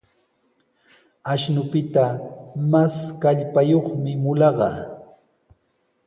Ashnupita mas kallpayuqmi mulaqa.